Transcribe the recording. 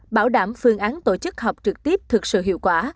bảo đảm phương án tổ chức họp trực tiếp thực sự hiệu quả